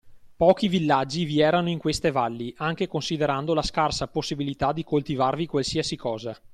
Pochi villaggi vi erano in queste valli, anche considerando la scarsa possibilità di coltivarvi qualsiasi cosa.